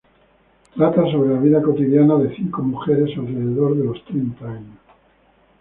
Trata sobre la vida cotidiana de cinco mujeres alrededor de los treinta años.